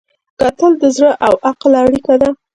کتل د زړه او عقل اړیکه ده